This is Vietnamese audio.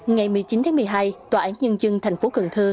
ngày một mươi chín một mươi hai tòa án nhân dân tp cần thơ